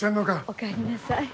おかえりなさい。